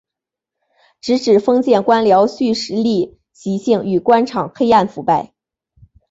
直指封建官僚胥吏习性与官场黑暗腐败。